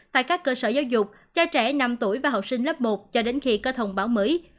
tại các cơ sở giáo dục cho trẻ năm tuổi và học sinh lớp một cho đến khi có thông báo mới